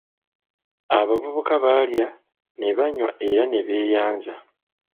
Abavubuka baalya, ne banywa era ne beeyanza.